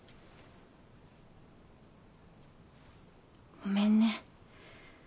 ごめんね。